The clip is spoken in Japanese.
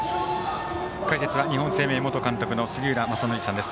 解説は日本生命元監督の杉浦正則さんです。